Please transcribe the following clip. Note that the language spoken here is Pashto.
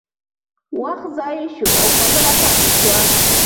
وخت ضایع شو او خبره پاتې شوه.